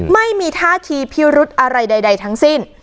ไม่มีท่าทีพิรุธอะไรใดทั้งสิ้น